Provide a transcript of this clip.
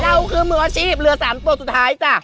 เราคือมืออาชีพเรือ๓ตัวสุดท้ายจ้ะ